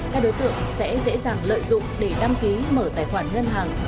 các đối tượng sẽ dễ dàng lợi dụng để đăng ký mở tài khoản ngân hàng